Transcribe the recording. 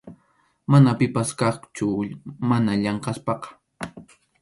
Mana pipas kaqchu mana llamk’aspaqa.